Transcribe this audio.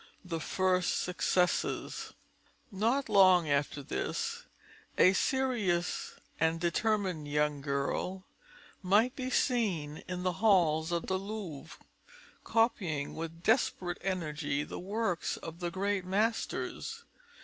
THE FIRST SUCCESSES Not long after this, a serious and determined young girl might be seen in the halls of the Louvre, copying with desperate energy the works of the great masters.